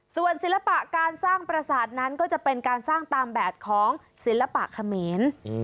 ส่วนศิลปะการสร้างประสาทนั้นก็จะเป็นการสร้างตามแบบของศิลปะเขมร